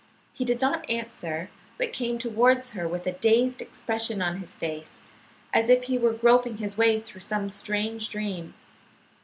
He did not answer, but came towards her with a dazed expression on his face, as if he were groping his way through some strange dream.